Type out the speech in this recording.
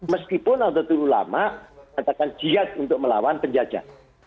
meskipun naudatul ulama katakan jihad untuk melawan penjajahan